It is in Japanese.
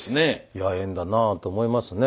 いや縁だなあと思いますね。